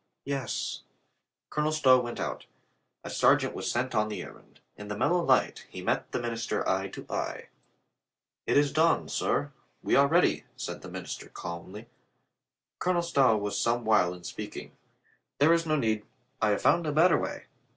"Yes." Colonel Stow went out. A sergeant was sent on the errand. In the mellow light he met the min ister eye to eye. "It is dawn, sir. We are ready," said the min ister calmly. Colonel Stow was some while in speaking. "There is no need. I have found a better way.